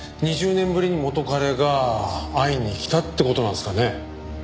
２０年ぶりに元彼が会いに来たって事なんですかね？